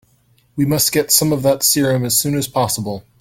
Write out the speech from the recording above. We must get some of that serum as soon as possible.